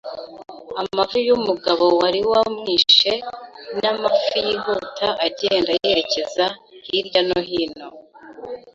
amavi yumugabo wari wamwishe n amafi yihuta agenda yerekeza hirya no hino